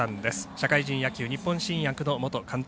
社会人野球日本新薬の元監督